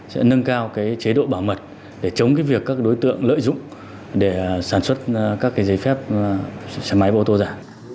sẽ nâng cao cái chế độ bảo mật để chống cái việc các đối tượng lợi dụng để sản xuất các cái giấy phép máy và ô tô giả